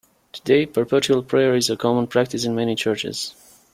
Today, perpetual prayer is a common practice in many churches.